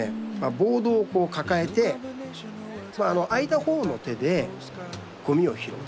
ボードをこう抱えてつまり空いた方の手でごみを拾う。